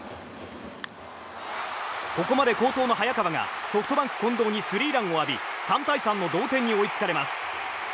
ここまで好投の早川がソフトバンク、近藤にスリーランを浴び３対３の同点に追いつかれます。